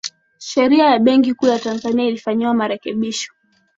sheria ya benki kuu ya tanzania ilifanyiwa marekebisho